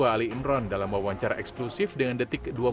ali imran dalam wawancara eksklusif dengan detik dua puluh